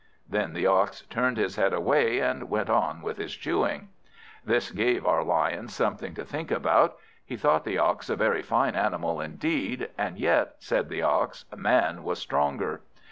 Then the Ox turned his head away, and went on with his chewing. This gave our Lion something to think about. He thought the Ox a very fine animal indeed, and yet, said the Ox, Man was stronger.